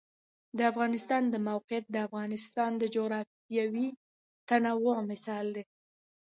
د افغانستان د موقعیت د افغانستان د جغرافیوي تنوع مثال دی.